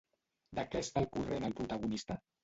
De què està al corrent el protagonista?